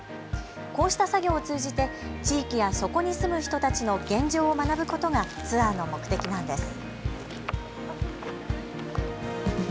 こうした作業を通じて地域やそこに住む人たちの現状を学ぶことがツアーの目的なんです。